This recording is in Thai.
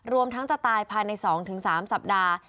รวมทั้งจะตายภายใน๒๓สัปดาห์